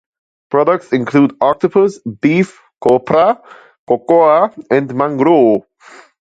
Products include octopus, beef, copra, cocoa, and mangrou.